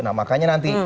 nah makanya nanti